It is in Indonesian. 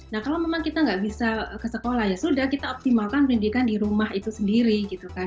nah kalau memang kita nggak bisa ke sekolah ya sudah kita optimalkan pendidikan di rumah itu sendiri gitu kan